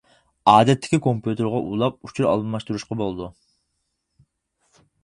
ئادەتتىكى كومپيۇتېرغا ئۇلاپ ئۇچۇر ئالماشتۇرۇشقا بولىدۇ.